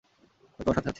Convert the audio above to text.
আমি তোমার সাথে আছি।